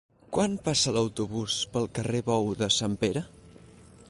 Quan passa l'autobús pel carrer Bou de Sant Pere?